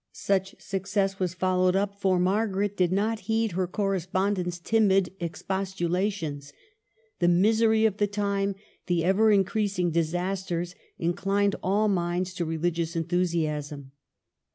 Such success was followed up, for Margaret did not heed her correspon dent's timid expostulations. The misery of the time, the ever increasing disasters, inclined all minds to religious enthusiasm.